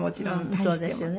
そうですよね。